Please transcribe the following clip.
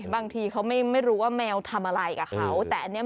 บางทีเขาไม่รู้ว่าแมวทำอะไรกับเขา